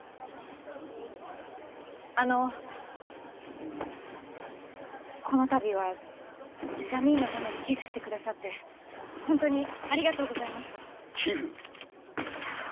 あのこの度はジャミーンのために寄付してくださってホントにありがとうございました寄付？